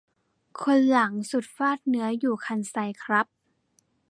คนหลังสุดฟาดเนื้ออยู่คันไซครับ